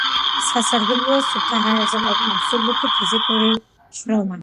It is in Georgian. სასარგებლოა სუფთა ჰაერზე ყოფნა, მსუბუქი ფიზიკური შრომა.